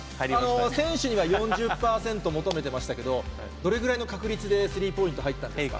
選手には４０％求めてましたけど、どれぐらいの確率でスリーポイント入ったんですか？